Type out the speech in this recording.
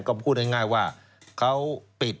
ก็พูดง่ายว่าเขาปิด